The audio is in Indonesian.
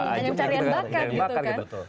ajang carian bakat gitu kan